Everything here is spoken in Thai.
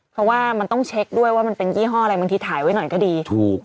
เพราะว่ามันต้องต้องเช็คด้วยว่ามันเป็นธุรกิจธ่ายอะไร